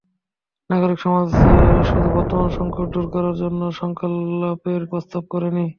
নাগরিক সমাজ শুধু বর্তমান সংকট দূর করার জন্য সংলাপের প্রস্তাব করেনি।